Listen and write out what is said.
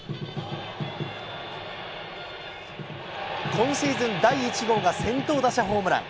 今シーズン第１号が先頭打者ホームラン。